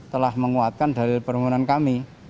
telah menguatkan dari permohonan kami